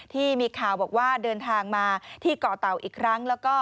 ที่มีข่าวบอกว่าเดินทางมาที่เกาะเต่าอีกครั้งแล้วก็